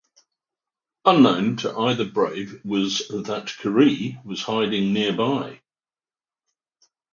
Unknown to either brave was that Kari was hiding nearby.